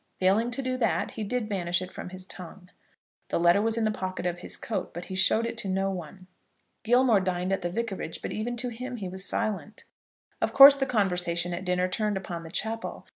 Failing to do that, he did banish it from his tongue. The letter was in the pocket of his coat; but he showed it to no one. Gilmore dined at the vicarage; but even to him he was silent. Of course the conversation at dinner turned upon the chapel.